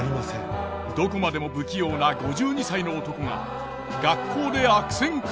どこまでも不器用な５２歳の男が学校で悪戦苦闘。